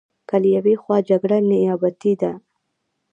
که له یوې خوا جګړه نیابتي ده.